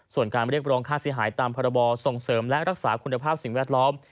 ส่วนการเรียกร้องค่าเสียหายตามพรบส่งเสริมและรักษาคุณภาพสิ่งแวดล้อม